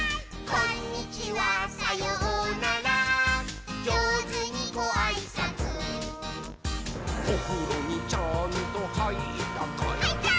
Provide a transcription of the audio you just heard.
「こんにちはさようならじょうずにごあいさつ」「おふろにちゃんとはいったかい？」はいったー！